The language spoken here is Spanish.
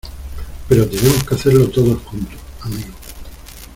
pero tenemos que hacerlo todos juntos, amigo.